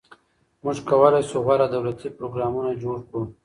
موږ کولای شو غوره دولتي پروګرامونه جوړ کړو.